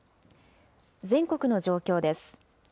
全国の状況です。